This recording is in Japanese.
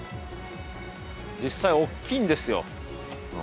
実際おっきいんですよ。